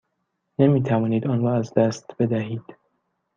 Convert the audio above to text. نمی توانید آن را از دست بدهید.